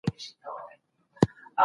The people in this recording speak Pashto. د ملي عايد د لوړولو پروسه دوام لري.